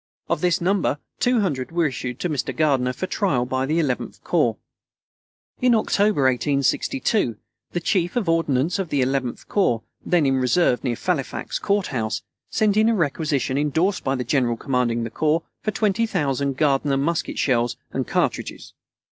Of this number, 200 were issued to Mr. Gardiner for trial by the Eleventh corps. In October, 1862, the Chief of Ordnance of the Eleventh corps, then in reserve near Fairfax Courthouse, sent in a requisition, endorsed by the General commanding the corps, for 20,000 Gardiner musket shells and cartridges.